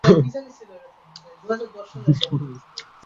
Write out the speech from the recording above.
যদি আমার বাহুতে এতো দম থাকতো, স্যার।